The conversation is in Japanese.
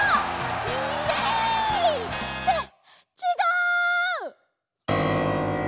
イエイ！ってちがう。